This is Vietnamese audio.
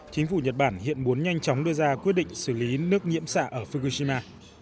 chính phủ nhật bản hiện muốn nhanh chóng đưa ra quyết định xử lý nước nhiễm xạ ở fukushima